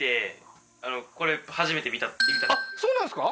そうなんですか？